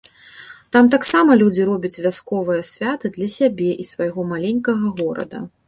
Там таксама людзі робяць вясковае свята для сябе і свайго маленькага горада.